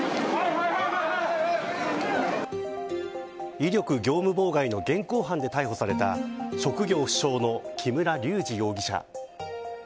威力業務妨害の現行犯で逮捕された職業不詳の木村隆二容疑者。